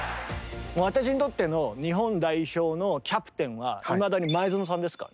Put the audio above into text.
私にとっての日本代表のキャプテンはいまだに前園さんですから。